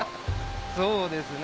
そうですね。